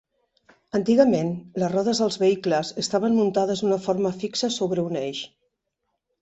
Antigament, les rodes dels vehicles estaven muntades de forma fixa sobre un eix.